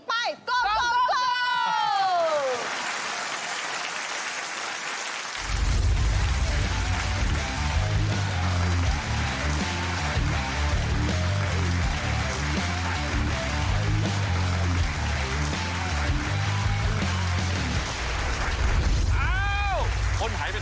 อย่ารอช้ากล่วยเลย